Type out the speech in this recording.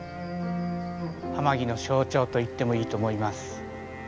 天城の象徴と言ってもいいと思います。